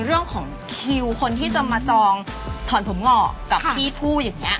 เรื่องของคิวคนที่จะมาจองถอนผมงอกกับพี่ผู้อย่างนี้